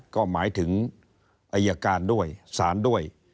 ก็หมายถึงอายการด้วยสารด้วย